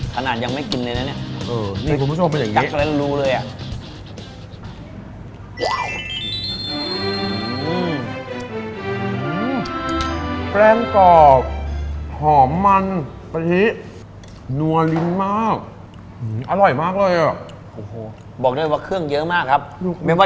อฝันอยู่ข้างหน้า